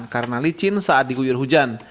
karena licin saat diguyur hujan